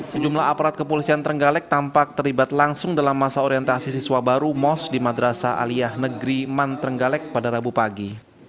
sejumlah aparat kepolisian trenggalek tampak terlibat langsung dalam masa orientasi siswa baru mos di madrasah aliyah negeri man trenggalek pada rabu pagi